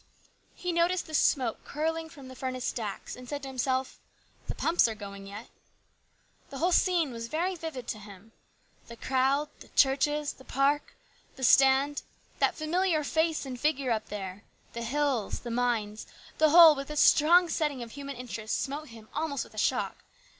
He noticed the smoke curling from the furnace stacks, and said to himself, " The pumps are going yet." The whole scene was very vivid to him. The crowd, the churches, the park, the stand, that familiar face and figure up there, the hills, the mines, the whole with its strong setting of human interest smote him almost with a shock.